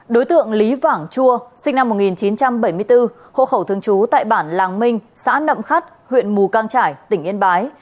đối tượng lý vảng chua sinh năm một nghìn chín trăm bảy mươi bốn hộ khẩu thường trú tại bản làng minh xã nậm khắt huyện mù cang trải tỉnh yên bái